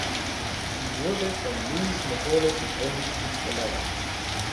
Sie wurde von Louis Moholo gegründet und geleitet.